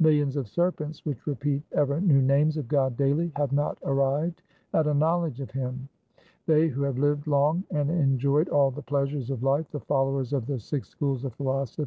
Millions of serpents which repeat ever new names of God daily, 5 have not arrived at a knowledge of Him. They who have lived long and enjoyed all the pleasures of life, the followers of the six schools of philosophy, and of i VI.